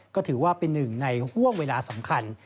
ก็ถือว่าเป็นหนึ่งในห่วงเวลาสำคัญ